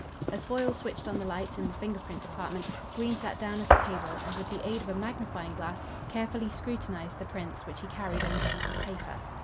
As Foyle switched on the lights in the finger print department, Green sat down at a table and with the aid of a magnifying glass carefully scrutinised the prints which he carried on a sheet of paper.